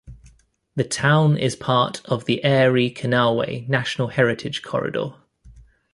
The town is part of the Erie Canalway National Heritage Corridor.